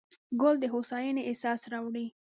ګل د هوساینې احساس راوړي.